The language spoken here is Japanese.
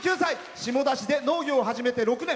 下田市で農業を始めて６年。